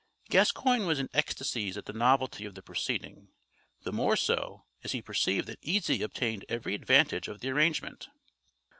Gascoigne was in ecstasies at the novelty of the proceeding, the more so as he perceived that Easy obtained every advantage of the arrangement.